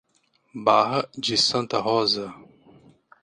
Barra de Santa Rosa